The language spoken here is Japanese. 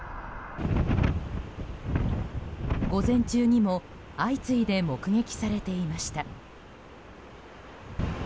午前中にも相次いで目撃されていました。